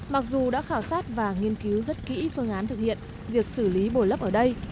mặc dù đã khảo sát và nghiên cứu rất kỹ phương án thực hiện việc xử lý bồi lấp ở đây